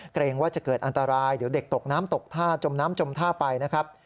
เกรงว่าจะเกิดอันตรายเดี๋ยวเด็กตกน้ำตกท่าจมน้ำจมท่าไปนะครับ